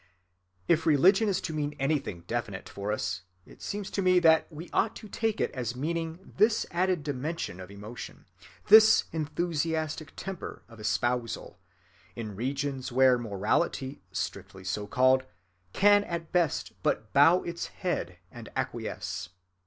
If religion is to mean anything definite for us, it seems to me that we ought to take it as meaning this added dimension of emotion, this enthusiastic temper of espousal, in regions where morality strictly so called can at best but bow its head and acquiesce.